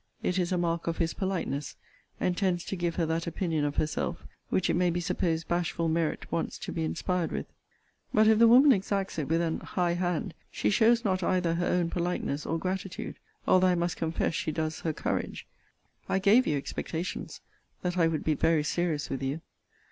It is a mark of his politeness, and tends to give her that opinion of herself, which it may be supposed bashful merit wants to be inspired with. But if the woman exacts it with an high hand, she shows not either her own politeness or gratitude; although I must confess she does her courage. I gave you expectations that I would be very serious with you.